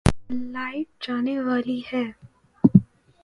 light جانے والی ہے